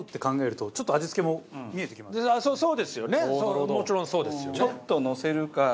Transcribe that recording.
もちろんそうですよね。